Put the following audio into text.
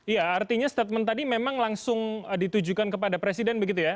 ya artinya statement tadi memang langsung ditujukan kepada presiden begitu ya